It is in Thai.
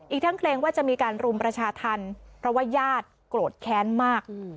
อีกทั้งเกรงว่าจะมีการรุมประชาธรรมเพราะว่าญาติโกรธแค้นมาก